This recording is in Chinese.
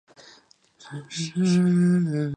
在上有漫画版连载。